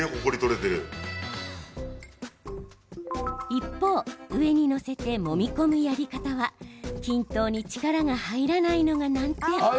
一方、上に載せてもみ込むやり方は均等に力が入らないのが難点。